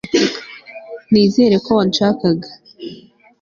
Nizera ko wanshakaga